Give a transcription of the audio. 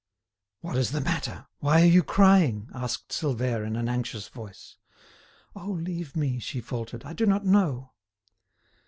"What is the matter; why are you crying?" asked Silvère in an anxious voice. "Oh, leave me," she faltered, "I do not know."